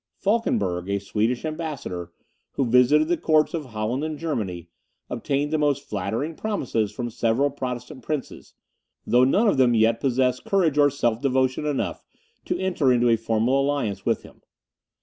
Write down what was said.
Falkenberg, a Swedish ambassador, who visited the courts of Holland and Germany, obtained the most flattering promises from several Protestant princes, though none of them yet possessed courage or self devotion enough to enter into a formal alliance with him.